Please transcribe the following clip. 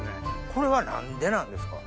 これは何でなんですか？